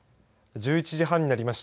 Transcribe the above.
１１時半になりました。